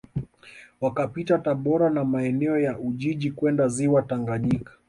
Wakapita Tabora na maeneo ya Ujiji kwenda Ziwa Tanganyika